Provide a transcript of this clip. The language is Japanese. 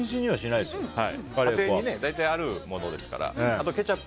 家に大体あるものですから。